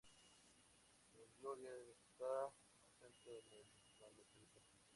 El Gloria está ausente en el manuscrito.